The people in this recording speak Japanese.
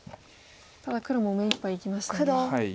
ただ黒も目いっぱいいきましたね。